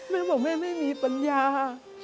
แม่บอกแม่ไม่มีปัญญา